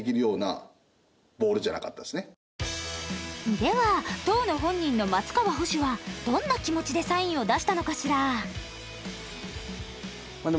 では当の本人の松川捕手はどんな気持ちでサインを出したのかしら？